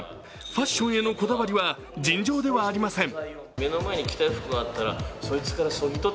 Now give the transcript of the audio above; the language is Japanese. ファッションへのこだわりは尋常ではありません。